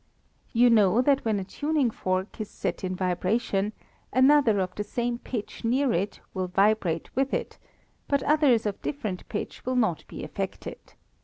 You know that when a tuning fork is set in vibration another of the same pitch near it will vibrate with it, but others of different pitch will not be affected.